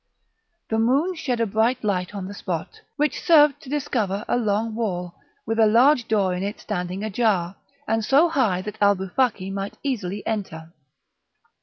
The moon shed a bright light on the spot, which served to discover a long wall, with a large door in it standing ajar, and so high that Alboufaki might easily enter.